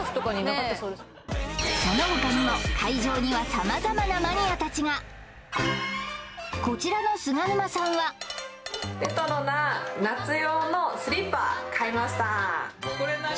そのほかにも会場にはさまざまなマニアたちがこちらの菅沼さんはレトロな夏用のスリッパ買いました